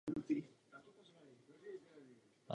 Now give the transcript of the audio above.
Je českým nejmladším domácím plemenem.